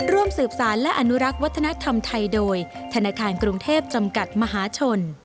ร่วมสืบสารและอนุรักษ์วัฒนธรรมไทยโดยธนาคารกรุงเทพจำกัดมหาชน